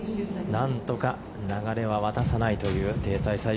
なんとか流れは渡さないというテイ・サイサイ